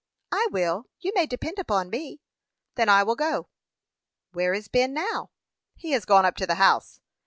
"I will; you may depend upon me." "Then I will go." "Where is Ben, now?" "He has gone up to the house."